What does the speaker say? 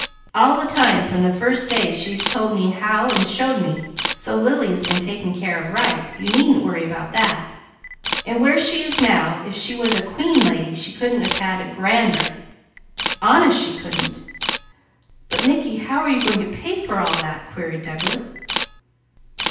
All the time from the first day she's told me how, and showed me, so Lily has been taken care of right, you needn't worry about that. And where she is now, if she was a queen lady she couldn't have grander; honest she couldn't!" "But Mickey, how are you going to pay for all that?" queried Douglas.